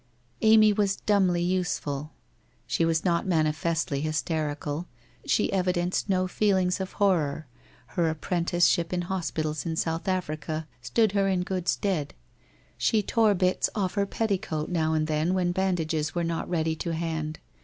Amy was dumbly useful. She was not manifestly hys terical, she evidenced no feelings of horror, her apprentice ship in hospitals in South Africa stood her in good stead. She tore bits off her petticoat now and then when ban dages were not ready to hand.